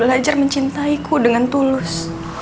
aku bisa belajar mencintaiku dengan tulus